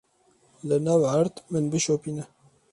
Li nav erd min bişopîne.